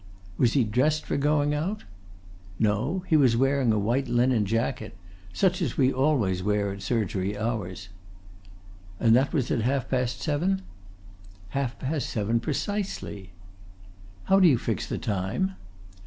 "Was he dressed for going out?" "No he was wearing a white linen jacket. Such as we always wear at surgery hours." "And that was at half past seven?" "Half past seven precisely." "How do you fix the time?"